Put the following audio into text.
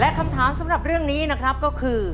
คำถามสำหรับเรื่องนี้นะครับก็คือ